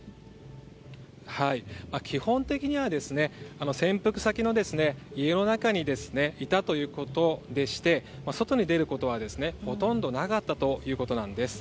基本的には潜伏先の家の中にいたということでして外に出ることはほとんどなかったということです。